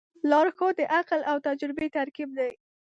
لارښود د عقل او تجربې ترکیب دی.